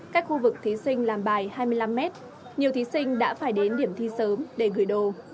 cách khu vực thí sinh làm bài hai mươi năm m nhiều thí sinh đã phải đến điểm thi sớm để gửi đồ